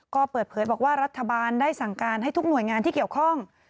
ก็เปิดเผยบอกว่ารัฐบาลได้สั่งการให้ทุกหน่วยงานที่เกี่ยวข้อง